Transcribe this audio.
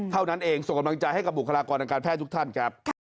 เท่านั้นเองส่งกำลังใจให้กับบุคลากรทางการแพทย์ทุกท่านครับ